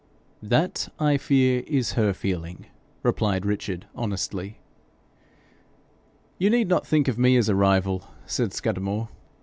'That, I fear, is her feeling,' replied Richard, honestly. 'You need not think of me as a rival,' said Scudamore.